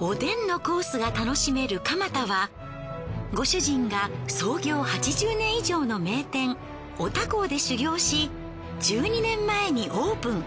おでんのコースが楽しめるかま田はご主人が創業８０年以上の名店お多幸で修業し１２年前にオープン。